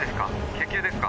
救急ですか？